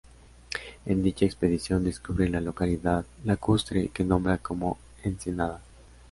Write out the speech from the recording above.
En dicha expedición, descubre la localidad lacustre que nombra como Ensenada.